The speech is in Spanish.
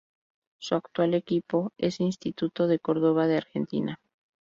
Su actual equipo es Instituto de Córdoba de Argentina.